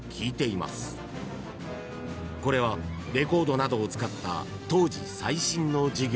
［これはレコードなどを使った当時最新の授業］